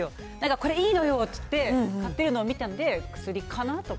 これいいのよって言って買ってるのを見たので、薬かなと。